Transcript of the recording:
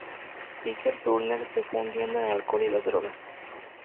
Ike Turner se fue hundiendo en el alcohol y las drogas.